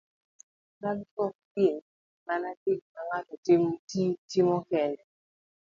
Magi ok gin mana gik ma ng'ato timo kende